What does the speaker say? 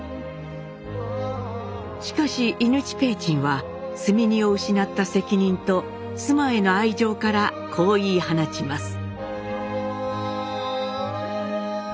しかし伊貫親雲上は積み荷を失った責任と妻への愛情からこう言い放ちます。